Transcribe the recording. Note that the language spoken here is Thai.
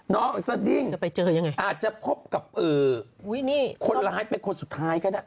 น้องสดิ้งอาจจะพบกับคนร้ายเป็นคนสุดท้ายก็ได้